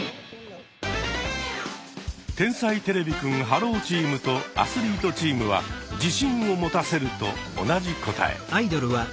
天才てれびくんｈｅｌｌｏ，チームとアスリートチームは「自信を持たせる」と同じ答え。